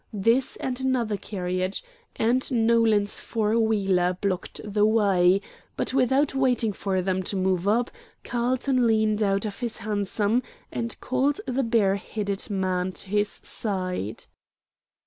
This and another carriage and Nolan's four wheeler blocked the way; but without waiting for them to move up, Carlton leaned out of his hansom and called the bareheaded man to its side.